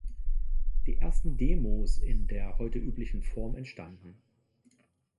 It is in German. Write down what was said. Die ersten Demos in der heute üblichen Form entstanden.